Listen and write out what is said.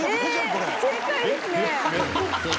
これ。